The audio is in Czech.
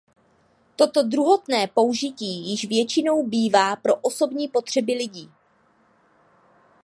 Toto druhotné použití již většinou bývá pro osobní potřeby lidí.